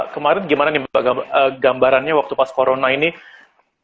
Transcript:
kemarin gimana nih mbak gambarannya waktu pas corona ini keganggu apa aja